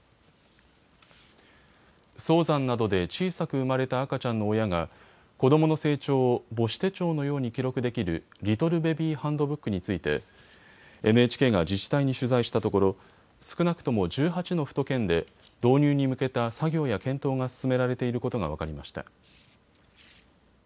早産などで小さく産まれた赤ちゃんの親が子どもの成長を母子手帳のように記録できるリトルベビーハンドブックについてＮＨＫが自治体に取材したところ少なくとも１８の府と県で導入に向けた作業や検討が進められていることが分かりました。